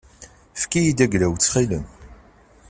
Efk-iyi-d ayla-w ttxil-m.